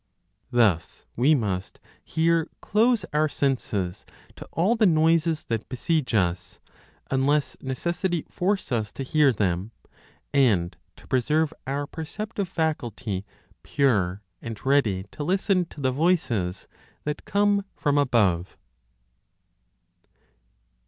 Thus we must here close our senses to all the noises that besiege us, unless necessity force us to hear them, and to preserve our perceptive faculty pure and ready to listen to the voices that come from above.